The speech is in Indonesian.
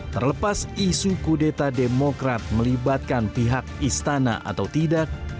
terlepas isu kudeta demokrat melibatkan pihak istana atau tidak